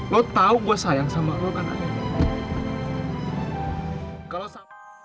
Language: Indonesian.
lu tau gua sayang sama lu kan ada